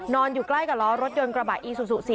นอนอยู่ใกล้กับล้อรถยนต์กระบะอี๐๐๔